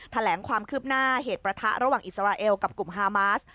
แถลงความคืบหน้าเหตุประทะระหว่างอิสราเอลกับกลุ่มฮามาส